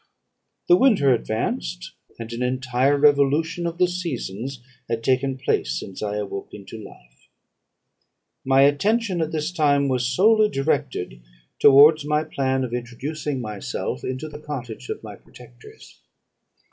"The winter advanced, and an entire revolution of the seasons had taken place since I awoke into life. My attention, at this time, was solely directed towards my plan of introducing myself into the cottage of my protectors.